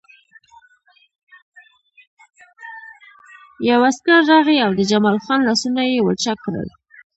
یو عسکر راغی او د جمال خان لاسونه یې ولچک کړل